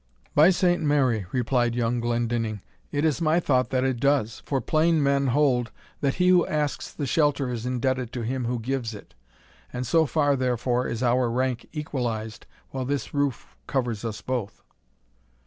"By Saint Mary," replied young Glendinning, "it is my thought that it does; for plain men hold, that he who asks the shelter is indebted to him who gives it; and so far, therefore, is our rank equalized while this roof covers us both."